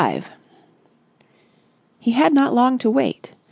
§ 5 He had not long to wait.